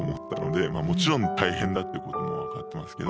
もちろん大変だってことも分かってますけど。